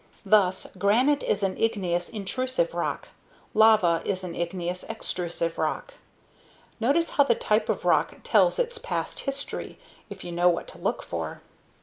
Thus, granite is an igneous, intrusive rock; lava is an igneous, extrusive rock. (Notice how the type of rock tells its past history if you know what to look for.)